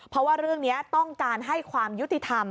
เพราะว่าเรื่องนี้ต้องการให้ความยุติธรรม